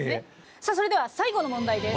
さあそれでは最後の問題です。